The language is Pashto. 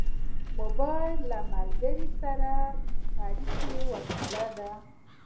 موبایل له ملګرو سره د اړیکې وسیله ده.